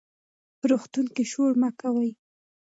په روغتون کې شور مه کوئ.